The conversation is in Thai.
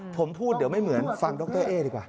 ผมพูดเดี๋ยวไม่เหมือนฟังดรเอ๊ดีกว่า